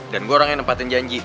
dan gue orang yang nempatin janji